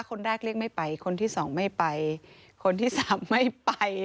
คนแรกเรียกไม่ไปคนที่สองไม่ไปคนที่สามไม่ไป